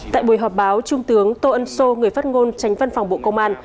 tại buổi họp báo trung tướng tô ân sô người phát ngôn tránh văn phòng bộ công an